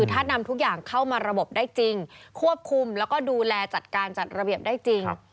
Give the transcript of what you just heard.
ถ้านำทุกอย่างเข้ามาระบบได้จริงควบคุมแล้วก็ดูแลจัดการจัดระเบียบได้จริง